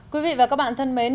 quý vị và các bạn thân mến